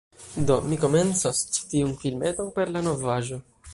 Do mi komencos ĉi tiun filmeton per la novaĵo.